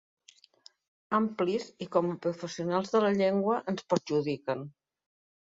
Amplis i, com a professionals de la llengua, ens perjudiquen.